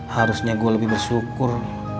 harusnya gue lebih bersyukur